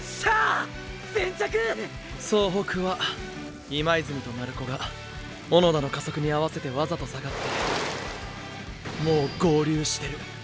総北は今泉と鳴子がーー小野田の加速に合わせてわざと下がってもう合流してる。